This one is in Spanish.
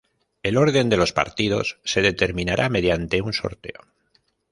El orden de los partidos se determinará mediante un sorteo.